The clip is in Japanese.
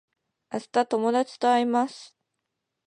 明日友達と会います